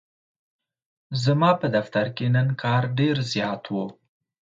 ځماپه دفترکی نن کار ډیرزیات و.